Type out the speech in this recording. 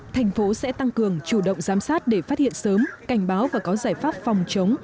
thành phố sẽ tăng cường chủ động giám sát để phát hiện sớm cảnh báo và có giải pháp phòng chống